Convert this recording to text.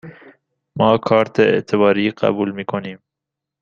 ما کارت اعتباری قبول می کنیم.